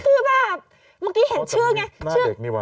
คือแบบเมื่อกี้เห็นชื่อไง